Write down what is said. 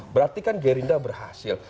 berarti kan gerindra berhasil